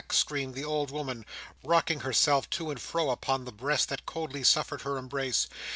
screamed the old woman, rocking herself to and fro upon the breast that coldly suffered her embrace.